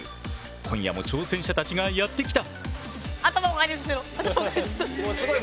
今夜も挑戦者たちがやって来た！